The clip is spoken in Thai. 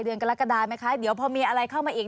กรกฎาไหมคะเดี๋ยวพอมีอะไรเข้ามาอีก